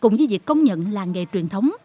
cùng với việc công nhận làng nghề truyền thống